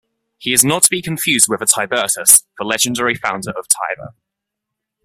He is not to be confused with a Tiburtus, the legendary founder of Tibur.